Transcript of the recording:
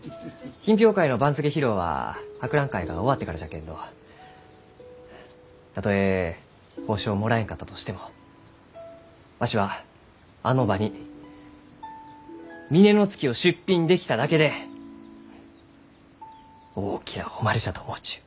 品評会の番付披露は博覧会が終わってからじゃけんどたとえ褒賞をもらえんかったとしてもわしはあの場に峰乃月を出品できただけで大きな誉れじゃと思うちゅう。